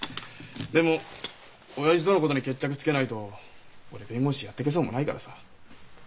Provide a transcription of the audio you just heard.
でも親父とのことに決着つけないと俺弁護士やってけそうもないからさ。